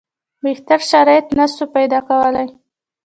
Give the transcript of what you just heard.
بهتر شرایط نه سو پیدا کولای.